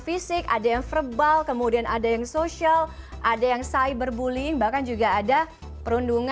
fisik ada yang verbal kemudian ada yang social ada yang cyberbullying bahkan juga ada perundungan